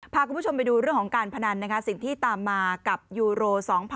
พาคุณผู้ชมไปดูเรื่องของการพนันสิ่งที่ตามมากับยูโร๒๐๑๖